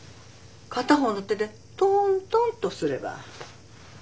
片方の手でトントンとすれば。